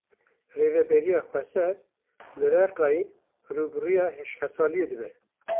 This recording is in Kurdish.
Rêveberiya Xweser li Reqayê rûbirûyê hişkesaliyê dibe.